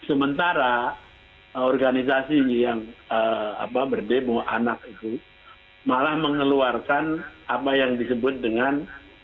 sementara organisasi yang berdemo anak itu malah mengeluarkan apa yang disebut dengan